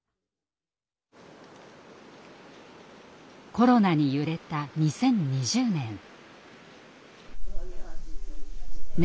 コロナに揺れた２０２０年。